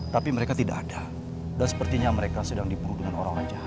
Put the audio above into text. tapi mereka tidak ada dan sepertinya mereka sedang dibunuh dengan orang orang jahat